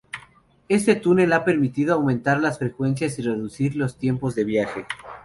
Este túnel ha permitido aumentar las frecuencias y reducir los tiempos de viaje.